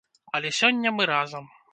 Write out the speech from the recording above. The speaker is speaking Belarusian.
Але сёння мы разам.